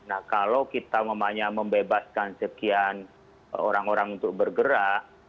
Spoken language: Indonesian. nah kalau kita membebaskan sekian orang orang untuk bergerak